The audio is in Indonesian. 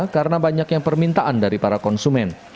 dan memintaan dari para konsumen